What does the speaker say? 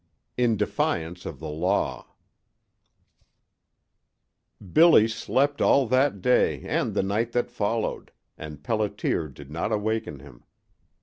X IN DEFIANCE OF THE LAW Billy slept all that day and the night that followed, and Pelliter did not awaken him.